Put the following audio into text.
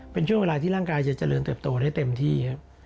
เป็นช่วงเวลาที่ร่างกายจะเจริญเติบโตได้เต็มที่ครับ